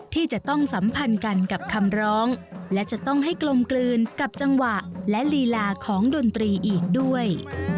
ที่จะต้องสัมพันธ์กันกับคำร้องและจะต้องให้กลมกลืนกับจังหวะและลีลาของดนตรีอีกด้วย